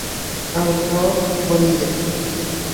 Autor J. Bonilla.